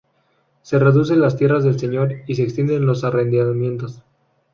Se reducen las tierras del señor y se extienden los arrendamientos.